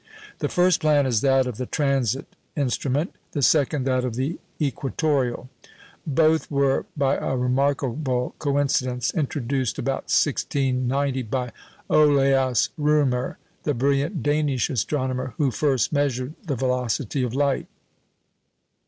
The first plan is that of the "transit instrument," the second that of the "equatoreal." Both were, by a remarkable coincidence, introduced about 1690 by Olaus Römer, the brilliant Danish astronomer who first measured the velocity of light.